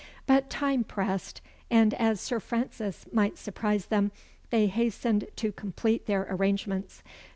But time pressed; and as Sir Francis might surprise them, they hastened to complete their arrangements.